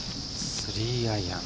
３アイアン。